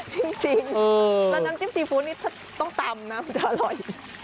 จริงแล้วน้ำจิ้มซีฟู้ดนี่ถ้าต้องตำนะมันจะอร่อย